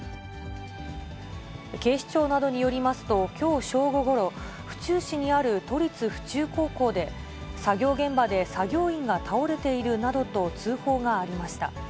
警視庁などによりますと、きょう正午ごろ、府中市にある都立府中高校で、作業現場で作業員が倒れているなどと通報がありました。